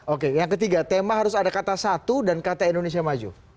oke yang ketiga tema harus ada kata satu dan kata indonesia maju